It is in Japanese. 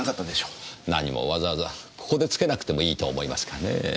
何もわざわざここでつけなくてもいいと思いますがねぇ。